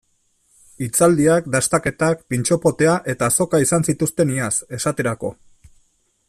Hitzaldiak, dastaketak, pintxo potea eta azoka izan zituzten iaz, esaterako.